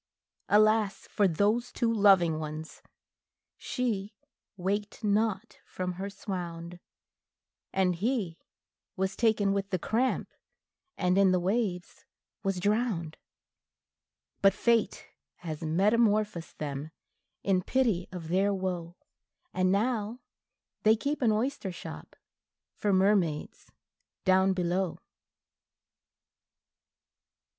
Alas for those two loving ones! she waked not from her swound, And he was taken with the cramp, and in the waves was drowned; But Fate has metamorphosed them, in pity of their woe, And now they keep an oyster shop for mermaids down below.